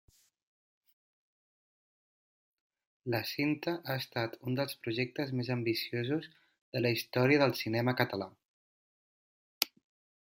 La cinta ha estat un dels projectes més ambiciosos de la història del cinema català.